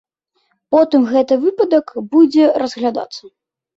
Потым гэты выпадак будзе разглядацца.